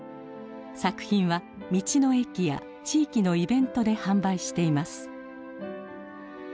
作品は道の駅や地域のイベントで販売しています。